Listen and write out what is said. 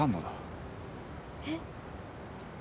えっ？